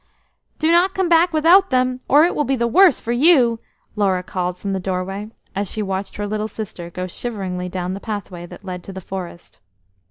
"Do not come back without them, or it will be the worse for you," Laura called from the doorway, as she watched her little sister go shiveringly down the pathway that led to the forest.